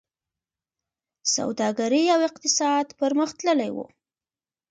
سوداګري او اقتصاد پرمختللی و